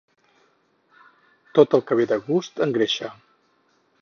Tot el que ve de gust, engreixa.